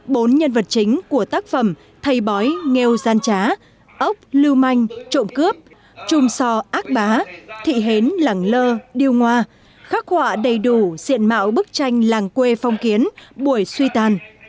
bốn nhân vật chính của tác phẩm thầy bói nghêu gian trá ốc lưu manh trộm cướp trung sò ác bá thị hến lẳng lơ điêu ngoa khắc họa đầy đủ diện mạo bức tranh làng quê phong kiến buổi suy tàn